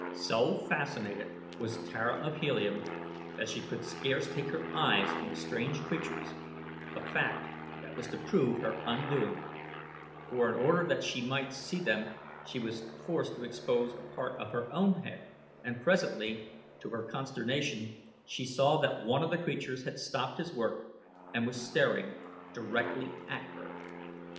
So fascinated was Tara of Helium that she could scarce take her eyes from the strange creatures a fact that was to prove her undoing, for in order that she might see them she was forced to expose a part of her own head and presently, to her consternation, she saw that one of the creatures had stopped his work and was staring directly at her.